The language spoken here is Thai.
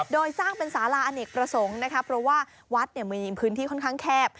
โดยสร้างเป็นสาราอเนกประสงค์นะคะเพราะว่าวัดมีพื้นที่ค่อนข้างแคบ